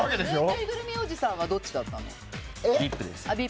ぬいぐるみおじさんはどっちだったの？